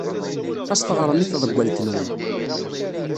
Ad as-teɣrem i tḍewwalt-nwen.